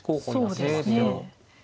そうですね。